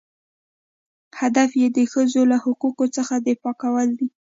هدف یې د ښځو له حقوقو څخه دفاع کول دي.